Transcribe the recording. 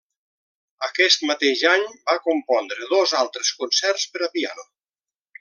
Aquest mateix any va compondre dos altres concerts per a piano.